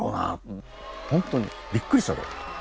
本当にびっくりしたろうと。